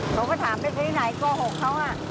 เขาก็ถามไปไหนโกหกเขา